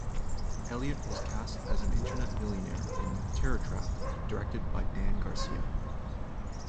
Elliott was cast as an Internet millionaire in "Terror Trap", directed by Dan Garcia.